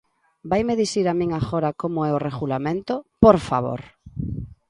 ¿Vaime dicir a min agora como é o Regulamento?, ¡por favor!